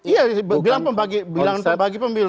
iya bilangan pembagi pemilu